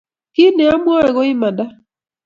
Kit ne amwoe ko imanda